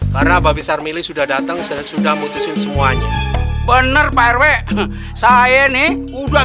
karena babisar milih sudah datang sudah sudah memutuskan semuanya bener pak rw saya ini udah